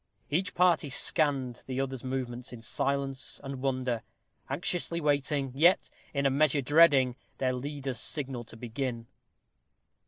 Each party scanned the other's movements in silence and wonder, anxiously awaiting, yet in a measure dreading, their leader's signal to begin.